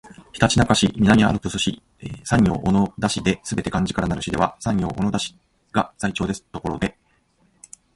ひたちなか市、南アルプス市、山陽小野田市ですべて漢字からなる市では山陽小野田市が最長ですところで